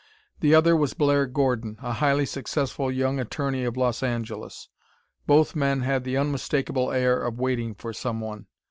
The other was Blair Gordon, a highly successful young attorney of Los Angeles. Both men had the unmistakable air of waiting for someone.